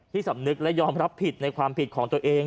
สำนึกและยอมรับผิดในความผิดของตัวเอง